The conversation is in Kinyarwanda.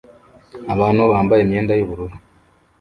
Abantu bambaye imyenda yubururu